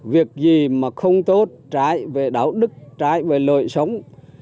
việc gì mà không tốt trái về đạo đức trái về lợi sống